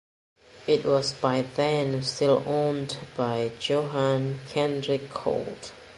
It was by then still owned by Johan Henrich Kold.